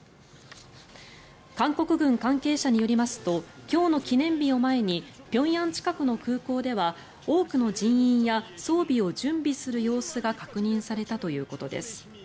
韓国軍関係者によりますと今日の記念日を前に平壌近くの空港では多くの人員や装備を準備する様子が確認されたということです。